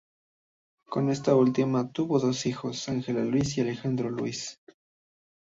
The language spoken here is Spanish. Con esta última tuvo dos hijos, Ángela Luz y Alejandro Luis.